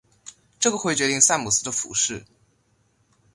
这个会决定萨姆斯的服饰。